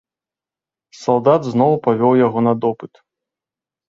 Салдат зноў павёў яго на допыт.